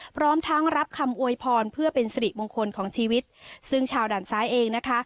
พร้อมทั้งรับคำอวยพรเพื่อเป็นสิริมงคลของชีวิตซึ่งชาวด่านซ้ายเองนะคะ